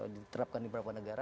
diterapkan di beberapa negara